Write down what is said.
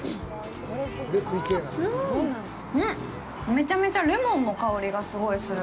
めちゃめちゃレモンの香りがすごいする。